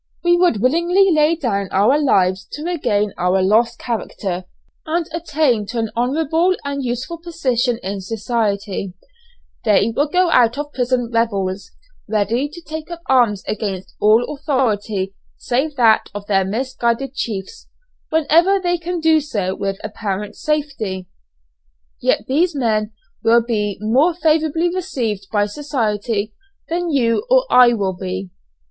We would willingly lay down our lives to regain our lost characters and attain to an honourable and useful position in society; they will go out of prison rebels, ready to take up arms against all authority save that of their misguided chiefs, whenever they can do so with apparent safety! Yet these men will be more favourably received by society than you or I will be.